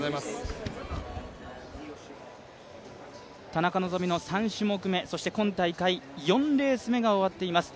田中希実の３種目め、そして今大会４レース目が終わっています。